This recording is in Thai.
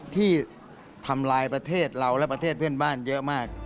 ที่ทำลายประเทศเราและประเทศเพื่อนบ้านเยอะมาก